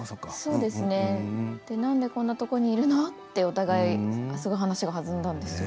何でこんなところにいるの？とお互い話がはずんだんですよ。